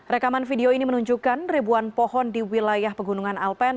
rekaman video ini menunjukkan ribuan pohon di wilayah pegunungan alpen